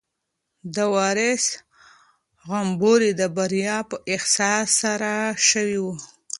د وارث غومبوري د بریا په احساس کې سره شوي وو.